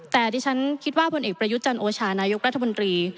แต่ที่ฉันคิดว่าผลเอกประยุทธ์จันโอชานายกรัฐมนตรี